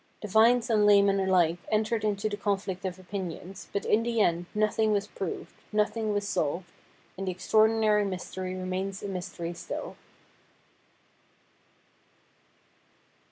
Divines and laymen alike entered into the conflict of opinions, but in the end nothing was proved, nothing was solved, and the extraordinary mystery remains a mystery still.